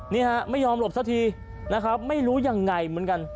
นี่ฮะไม่ยอมหลบสักทีนะครับไม่รู้ยังไงเหมือนกัน